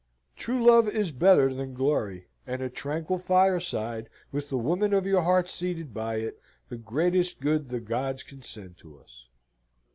True love is better than glory; and a tranquil fireside, with the woman of your heart seated by it, the greatest good the gods can send to us."